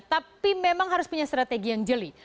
tapi memang harus punya strategi yang jeli